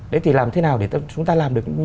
đấy thì làm thế nào để chúng ta làm được